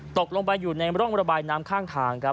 ตกลงไปอยู่ในร่องระบายน้ำข้างทางครับ